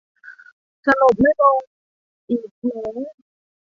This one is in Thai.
สลบไม่ลงอีก แหม่